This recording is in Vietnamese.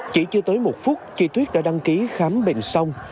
chỉ chưa tới một phút chị tuyết đã đăng ký khám bệnh xong